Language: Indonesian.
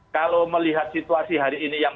kalau melihat situasi hari ini yang